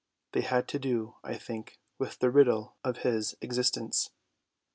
They had to do, I think, with the riddle of his existence.